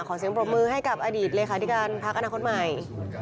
เสียงปรบมือให้กับอดีตเลขาธิการพักอนาคตใหม่